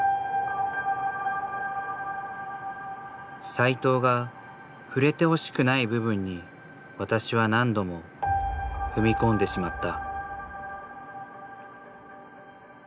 斎藤が触れてほしくない部分に私は何度も踏み込んでしまった。